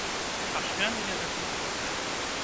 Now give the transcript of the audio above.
Ашмяны я любіў больш.